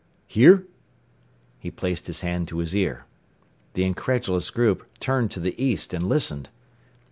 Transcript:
Hear?" He placed his hand to his ear. The incredulous group turned to the east and listened.